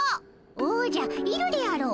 おじゃいるであろう。